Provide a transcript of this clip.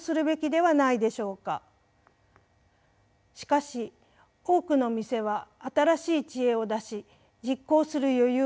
しかし多くの店は新しい知恵を出し実行する余裕がありません。